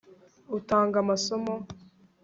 utanga amasomo